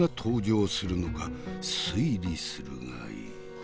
推理するがいい。